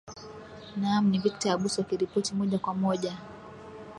naam ni victor abuso akiripoti moja kwa moja